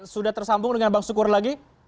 sudah tersambung dengan bang sukur lagi